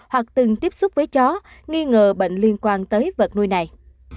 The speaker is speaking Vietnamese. hoặc từng tiếp xúc với chó nghi ngờ bệnh liên quan tới vật nuôi này